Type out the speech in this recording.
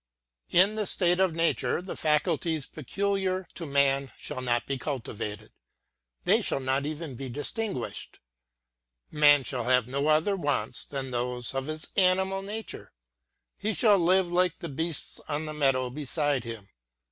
In the State of Nature the faculties peculiar to man shall not be cultivated; they shall not even be distinguished. Man shall have no other wants than those of his animal nature; he shall live like the beast on the meadow beside him.